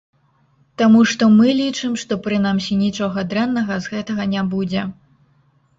Таму што мы лічым, што прынамсі нічога дрэннага з гэтага не будзе.